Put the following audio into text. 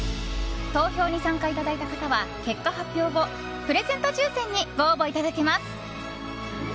投票に参加いただいた方は結果発表後、プレゼント抽選にご応募いただけます。